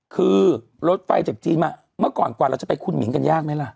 คือรถไฟจากจีนมาเมื่อก่อนกว่าเราจะไปคุณหมิงกันยากไหมล่ะ